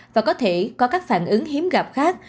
và có thể có các phản ứng hiếm gặp khác